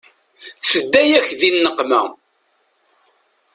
Tedda-yak di nneqma.